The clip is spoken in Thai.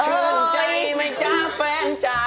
เชิญใจไม่จ้างแฟนจ้า